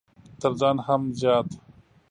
تر ځان هم زيات!